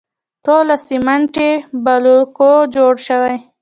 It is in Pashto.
ټول له سیمټي بلوکو جوړ شوي.